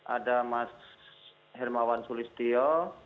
ada mas hermawan sulistio